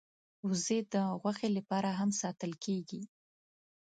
وزې د غوښې لپاره هم ساتل کېږي